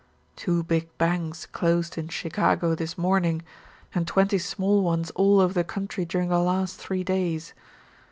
Two big banks closed in Chicago this morning, and twenty small ones all over the country during the last three days.